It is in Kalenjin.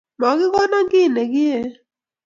makikono keii nekieeeei